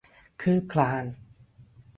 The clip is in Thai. คืบคลาน